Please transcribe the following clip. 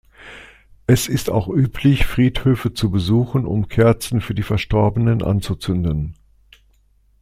Es ist auch üblich, Friedhöfe zu besuchen, um Kerzen für die Verstorbenen anzuzünden.